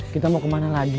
kita mau kemana lagi